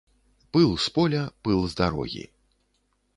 Пыл з поля, пыл з дарогі.